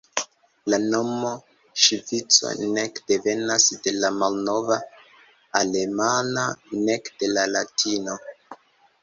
La nomo Ŝvico nek devenas de la malnova alemana, nek de la latino.